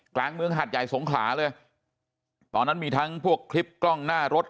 กลางเมืองหัดใหญ่สงขลาเลยตอนนั้นมีทั้งพวกคลิปกล้องหน้ารถ